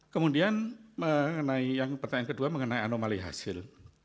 kemudian yang pertanyaan kedua mengenai anomali hasil